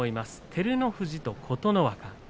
照ノ富士と琴ノ若。